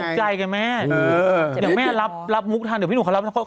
เดี๋ยวเขาตกใจกันแม่เออเดี๋ยวแม่รับรับมุกทางเดี๋ยวพี่หนุ่มเขารับ